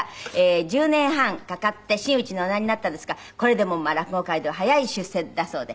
１０年半かかって真打におなりになったんですがこれでも落語界では早い出世だそうで。